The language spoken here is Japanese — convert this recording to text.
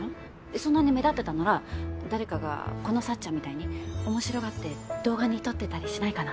そんなに目立ってたなら誰かがこの幸ちゃんみたいに面白がって動画に撮ってたりしないかな。